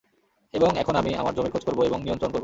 এবং এখন আমি আমার জমির খোঁজ করব এবং নিয়ন্ত্রণ করব।